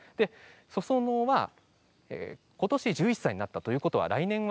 ソソノはことし１１歳になったということは来年は？